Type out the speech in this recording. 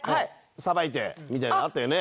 さばいてみたいなのあったよね。